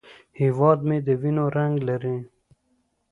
هیواد مې د وینو رنګ لري